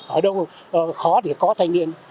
ở đâu khó thì có thanh niên